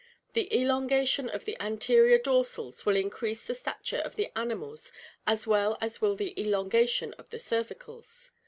The elongation of the anterior dorsals will increase the stature of the animals as well as will the elongation of the cervicals.